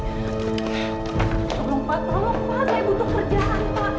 tolong pak tolong pak saya butuh kerjaan pak